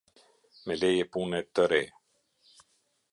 Me leje pune të re.